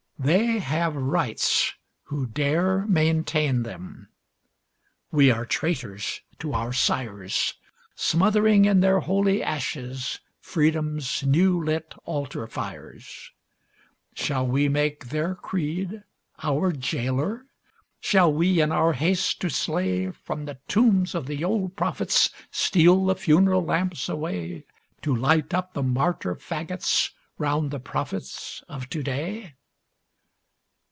They have rights who dare maintain them; we are traitors to our sires, Smothering in their holy ashes Freedom's new lit altar fires; Shall we make their creed our jailer? Shall we, in our haste to slay, From the tombs of the old prophets steal the funeral lamps away To light up the martyr fagots round the prophets of to day?